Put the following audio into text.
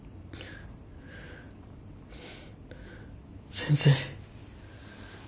先生。